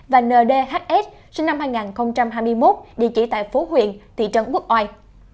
và ndhs sinh năm hai nghìn hai mươi một địa chỉ tại phố huyện thị trấn quốc oai